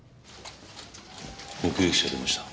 目撃者出ました。